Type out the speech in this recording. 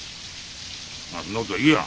そんなことはいいや。